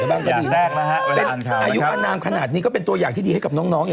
อายุพนามขนาดนี้ก็สามารถให้ทีน้องดี